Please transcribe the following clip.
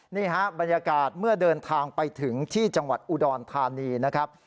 นี่ฮะบรรยากาศเมื่อเดินทางไปถึงที่จังหวัดอุดรธานีนะครับ